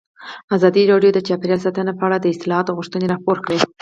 ازادي راډیو د چاپیریال ساتنه په اړه د اصلاحاتو غوښتنې راپور کړې.